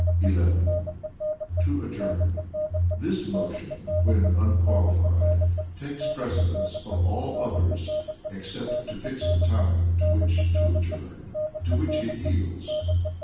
11. To Adjourn. This motion (when unqualified) takes precedence of all others, except to "fix the time to which to adjourn," to which it yields.